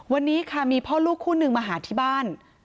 วันนี้ค่ะมีพ่อลูกคู่นึงมาหาที่บ้าน